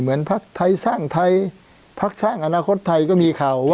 เหมือนพักไทยสร้างไทยพักสร้างอนาคตไทยก็มีข่าวว่า